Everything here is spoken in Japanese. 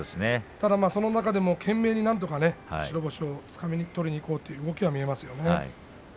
その中で懸命になんとか白星をつかみ取りにいこうという動きが見えましたね。